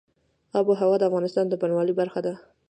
آب وهوا د افغانستان د بڼوالۍ برخه ده.